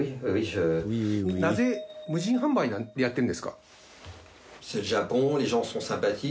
なぜ無人販売やってるんですか？